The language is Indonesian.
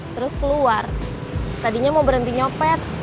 terus keluar tadinya mau berhenti nyopet